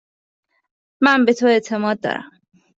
من به تو اعتماد دارم.